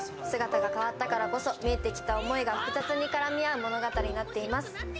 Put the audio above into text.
姿が変わったからこそ見えてきた思いが複雑に絡み合う物語になっています。